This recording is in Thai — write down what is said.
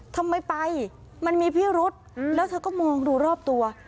ทำไมไปมันมีพิรุษแล้วเธอก็มองดูรอบตัว